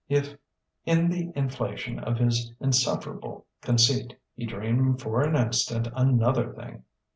If in the inflation of his insufferable conceit he dreamed for an instant another thing....